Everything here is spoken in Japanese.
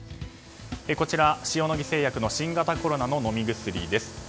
こちらは塩野義製薬の新型コロナの飲み薬です。